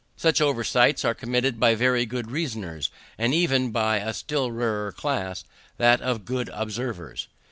Such oversights are committed by very good reasoners, and even by a still rarer class, that of good observers.